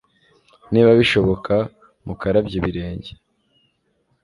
Niba bishoboka mukarabye ibirenge